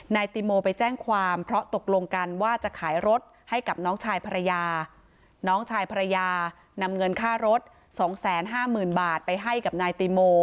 นายติโมไปแจ้งความเพราะตกลงกันว่าจะขายรถให้กับน้องชายภรรยาน้องชายภรรยานำเงินค่ารถ๒๕๐๐๐บาทไปให้กับนายติโม